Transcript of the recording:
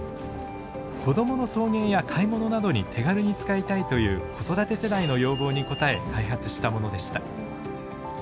子どもの送迎や買い物などに手軽に使いたいという子育て世代の要望に応え開発したものでした。